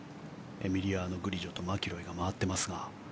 エミリアノ・グリジョとマキロイが回っていますが。